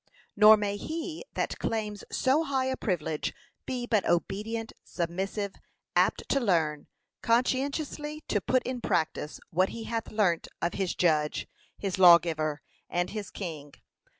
Nor may he that claims so high a privilege be but obedient, submissive, apt to learn, conscientiously to put in practice what he hath learnt of his Judge, his Lawgiver, and his King.